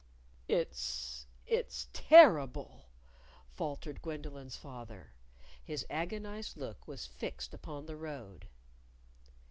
"It's it's terrible," faltered Gwendolyn's father. His agonized look was fixed upon the road.